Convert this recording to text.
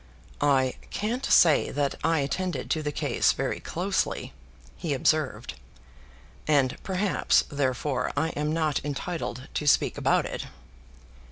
"I can't say that I attended to the case very closely," he observed, "and perhaps, therefore, I am not entitled to speak about it."